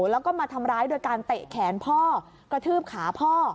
แล้วก็มาทำร้ายโดยการเตะแขนพ่อกระทืบขาพ่อ